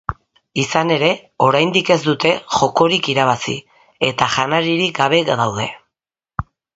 Izan ere, oraindik ez dute jokorik irabazi eta janaririk gabe daude.